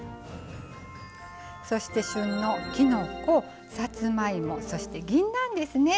そして、旬のきのこさつまいも、そしてぎんなんですね。